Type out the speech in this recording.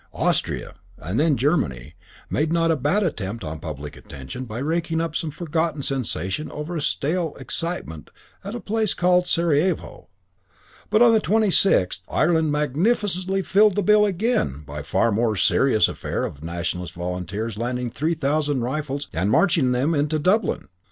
Austria, and then Germany, made a not bad attempt on public attention by raking up some forgotten sensation over a stale excitement at a place called Sarajevo; but on the twenty sixth, Ireland magnificently filled the bill again by the far more serious affair of Nationalist Volunteers landing three thousand rifles and marching with them into Dublin.